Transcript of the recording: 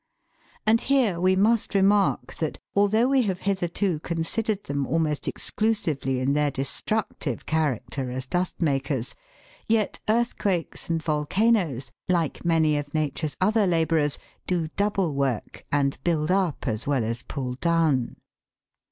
And here we must remark that, although we have hitherto considered them almost exclusively in their destructive character as dust makers, yet earthquakes and volcanoes, like many of Nature's other labourers, do double work, and build up as well as pull down.